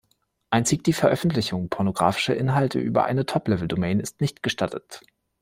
Einzig die Veröffentlichung pornografischer Inhalte über eine die Top-Level-Domain ist nicht gestattet.